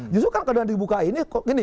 justru kan kemudian dibuka ini